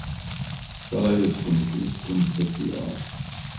Сарајевском филмском фестивалу.